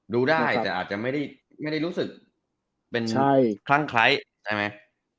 ดูได้แต่อาจจะไม่ได้รู้สึกเป็นคลั่งไคร้ใช่ไหม